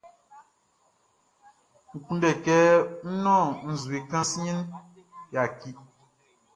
N kunndɛ kɛ ń nɔ́n nzue kan siɛnʼn, yaki.